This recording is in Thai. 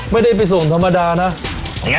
ไม่ได้ไปส่งธรรมดานะ